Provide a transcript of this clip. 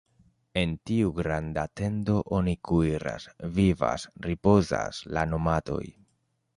En tiu granda tendo oni kuiras, vivas, ripozas la nomadoj.